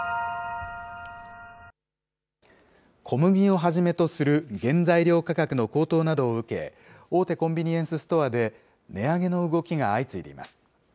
小麦をはじめとする原材料価格の高騰などを受け、大手コンビニエンスストアで、値上げの動きが相次いでいます。